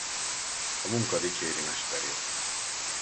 A munka dicséri mesterét.